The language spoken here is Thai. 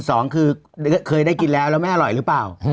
สองคือเคยได้กินแล้วแล้วไม่อร่อยหรือเปล่า